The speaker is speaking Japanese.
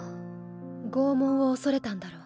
拷問を恐れたんだろう。